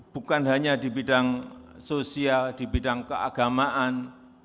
bukan hanya di bidang sosial di bidang keagamaan